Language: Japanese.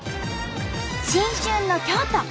新春の京都。